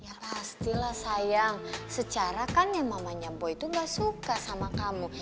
ya pastilah sayang secara kan yang mamanya boy itu gak suka sama kamu